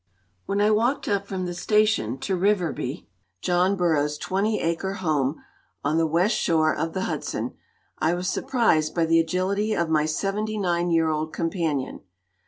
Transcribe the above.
When I walked up from the station to Riverby John Burroughs's twenty acre home on the west shore of the Hudson I was surprised by the agility of my seventy nine year old companion.